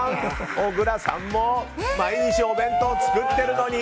小倉さんもいいお弁当を作ってるのに。